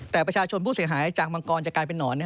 แต่ประชาชนผู้เสียหายจากมังกรจะกลายเป็นนอน